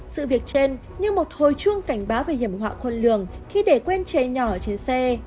sự việc trên như một hồi chuông cảnh báo về hiểm họa khôn lường khi để quên chạy nhỏ trên xe